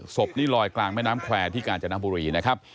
ศพนี่ลอยกลางแม่น้ำแขวนที่การจนถังบุรุษอีน